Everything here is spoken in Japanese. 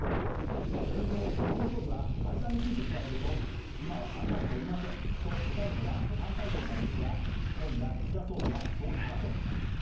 通常、時の総理は解散について聞かれると今は考えておりませんと答えるのが模範解答なのですが、今夜、岸田総理はそうしませんでした。